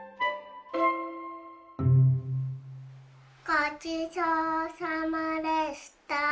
ごちそうさまでした。